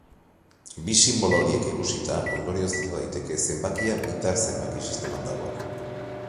Bi sinbolo horiek ikusita, ondorioztatu daiteke zenbakia bitar zenbaki-sisteman dagoela.